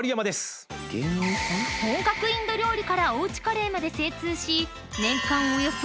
［本格インド料理からおうちカレーまで精通し］